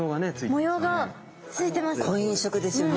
模様がついてます。